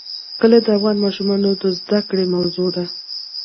کلي د افغان ماشومانو د زده کړې موضوع ده.